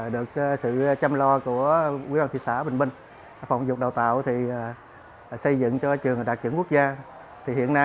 được sự chăm lo của quý ông thị xã bình minh phòng dục đào tạo xây dựng cho trường đạt trưởng quốc gia